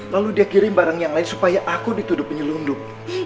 lalu dia kirim barang yang lain supaya aku dituduh penyelundup